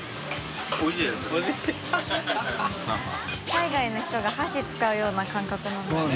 海外の人が箸使うような感覚なのかな？